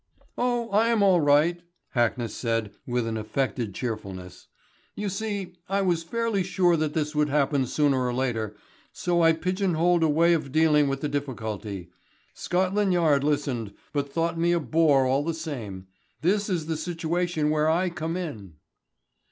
"Oh, I am all right," Hackness said with an affected cheerfulness. "You see, I was fairly sure that this would happen sooner or later. So I pigeon holed a way of dealing with the difficulty. Scotland Yard listened, but thought me a bore all the same. This is the situation where I come in."